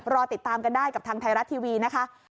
รอติดตามกันได้กับทางไทยรัฐทีวีนะคะ